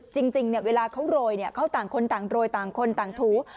จริงเวลาเขาโรยเขาต่างคนต่างโรยต่างคนต่างถู